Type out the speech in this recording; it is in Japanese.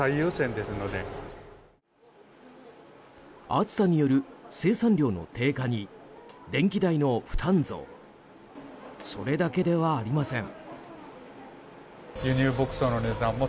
暑さによる生産量の低下に電気代の負担増それだけではありません。